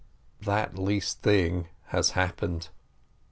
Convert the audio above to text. That least thing has happened.